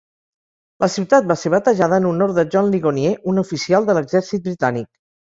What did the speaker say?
La ciutat va ser batejada en honor de John Ligonier, un oficial de l'exèrcit britànic.